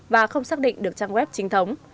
và không xác định được trang web chính thống